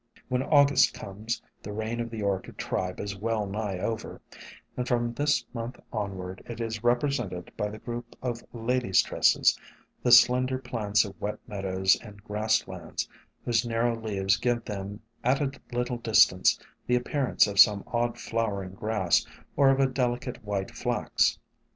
When August comes, the reign of the Orchid tribe is well nigh over, and from this month on ward it is represented by the group of Ladies' Tresses, the slender plants of wet meadows and grass lands, whose narrow leaves give them at a little distance the appearance of some odd flower ing grass or of a delicate white flax.